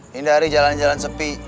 hindari jalan jalan sepi